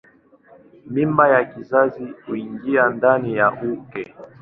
Mimba ya kizazi huingia ndani ya uke.